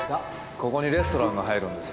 ここにレストランが入るんですよ。